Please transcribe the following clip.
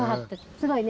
すごいね。